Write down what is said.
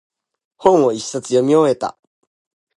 本を一冊読み終えた。